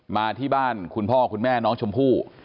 มาที่บ้านคุณพ่อคุณแม่น้องชมพู่